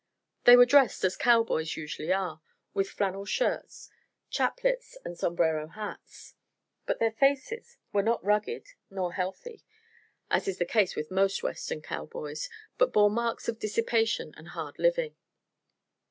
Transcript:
They were dressed as cowboys usually are, with flannel shirts, chapelets and sombrero hats; but their faces were not rugged nor healthy, as is the case with most Western cowboys, but bore marks of dissipation and hard living.